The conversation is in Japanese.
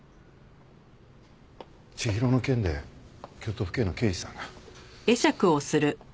千尋の件で京都府警の刑事さんが。